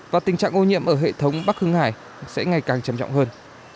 và tình trạng ô nhiễm ở hệ thống bắc hưng hải sẽ ngày càng trầm trọng hơn